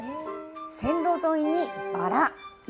線路沿いにバラ。